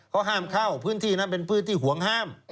เขาห้ามเข้าพื้นที่นั้นเป็นพื้นที่ห่วงห้าม